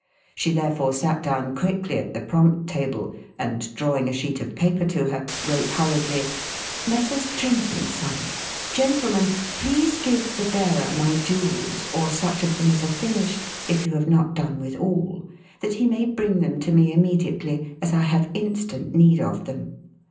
She therefore sat down quickly at the prompt table, and, drawing a sheet of paper to her, wrote hurriedly: Messrs. Trent & Son: GENTLEMEN Please give the bearer my jewels or such of them as are finished, if you have not done with all that he may bring them to me immediately, as I have instant need of them.